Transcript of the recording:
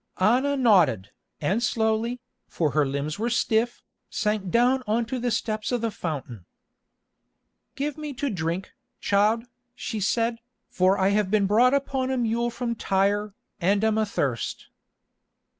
Anna nodded, and slowly, for her limbs were stiff, sank down on to the step of the fountain. "Give me to drink, child," she said, "for I have been brought upon a mule from Tyre, and am athirst."